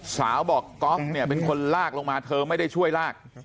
สาวบอกก๊อฟเนี่ยเป็นคนลากลงมาเธอไม่ได้ช่วยลาก